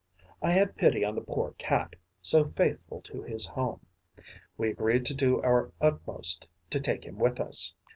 I had pity on the poor Cat, so faithful to his home. We agreed to do our utmost to take him with us.